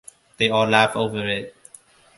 They all laugh over it.